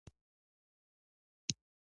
د پسوریازیس لپاره د لمر وړانګې وکاروئ